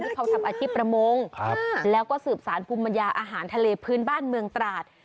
เขาทำอาชีพประมงแล้วก็สืบสารภูมิปัญญาอาหารทะเลพื้นบ้านเมืองตราด